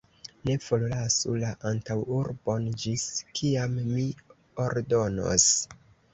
Ne forlasu la antaŭurbon, ĝis kiam mi ordonos!